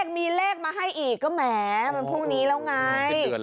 มีเลขมาให้อีกก็แหมมันพรุ่งนี้แล้วไง